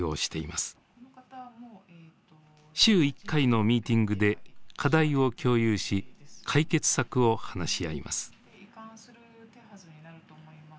週１回のミーティングで課題を共有し解決策を話し合います。